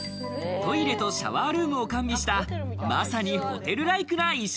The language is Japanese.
トイレとシャワールームを完備したまさにホテルライクな一室。